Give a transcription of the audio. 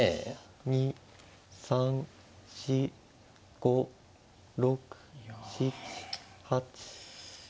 １２３４５６７８。